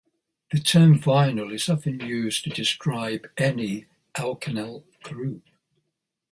The term vinyl is often used to describe any alkenyl group.